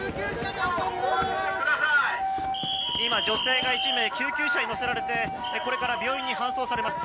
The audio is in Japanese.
今、女性が１名救急車に乗せられてこれから病院に搬送されます。